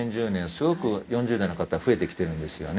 すごく４０代の方増えてきてるんですよね